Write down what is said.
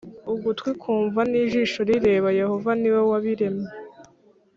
Ugutwi kumva n ijisho rireba Yehova ni we wabiremye